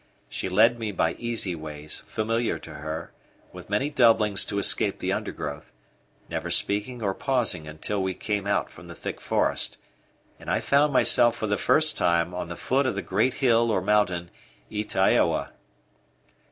She led me by easy ways, familiar to her, with many doublings to escape the undergrowth, never speaking or pausing until we came out from the thick forest, and I found myself for the first time at the foot of the great hill or mountain Ytaioa.